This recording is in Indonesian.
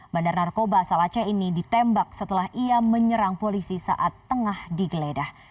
bandar narkoba asal aceh ini ditembak setelah ia menyerang polisi saat tengah digeledah